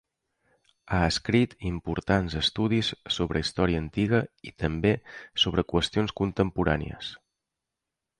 Ha escrit importants estudis sobre història antiga i també sobre qüestions contemporànies.